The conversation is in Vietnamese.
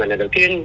là đồng tiên